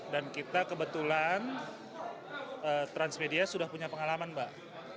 dan kita kebetulan transmedia sudah punya pengalaman mbak